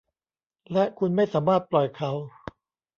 และคุณไม่สามารถปล่อยเขา